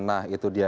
nah itu dia